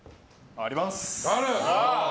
あります！